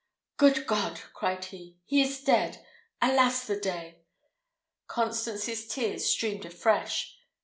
"Good God!" cried he, "he is dead! Alas the day!" Constance's tears streamed afresh.